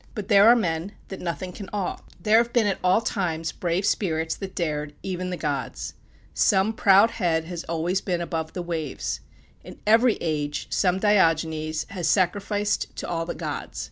But there are men that nothing can awe. There have been at all times brave spirits that dared even the gods. Some proud head has always been above the waves. In every age some Diogenes has sacrificed to all the gods.